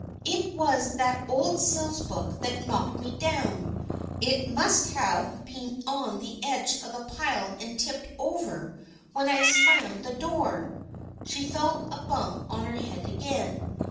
"It was that old sales book that knocked me down. It must have been on the edge of the pile and tipped over when I slammed the door." She felt the bump on her head again.